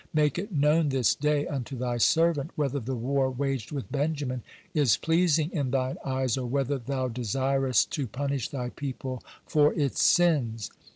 Make it known this day unto Thy servant whether the war waged with Benjamin is pleasing in Thine eyes, or whether thou desirest to punish Thy people for its sins.